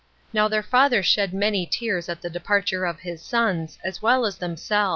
8 Now their father shed many tears at the departure of his sons, as well as themselves.